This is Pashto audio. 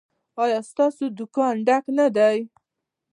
ایا ستاسو دکان ډک نه دی؟